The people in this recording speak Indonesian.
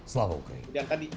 selamat malam ukraina